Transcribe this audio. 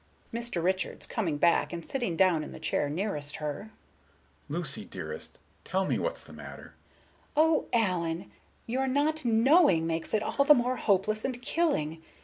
Mr. Richards, coming back, and sitting down in the chair nearest her: "Lucy, dearest, tell me what's the matter." Miss Galbraith: "O Allen! your not knowing makes it all the more hopeless and killing.